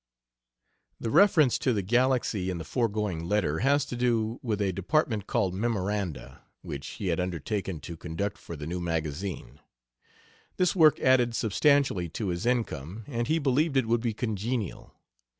The reference to the Galaxy in the foregoing letter has to do with a department called Memoranda, which he had undertaken to conduct for the new magazine. This work added substantially to his income, and he believed it would be congenial.